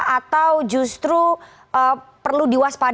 atau justru perlu diwaspadai